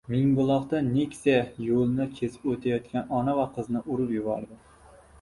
Mingbuloqda «Nexia» yo‘lni kesib o‘tayotgan ona va qizni urib yubordi